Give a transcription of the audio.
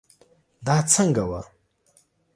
دا څنګه وه